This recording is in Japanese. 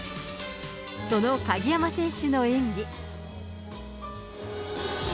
その鍵山選手の演技。